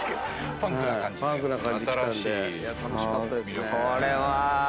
ファンクな感じきたんで楽しかったですね。